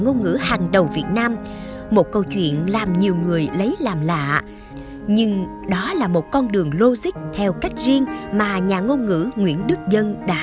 ông giáo sư tiến sĩ nhà giáo ưu tú nguyễn đức dân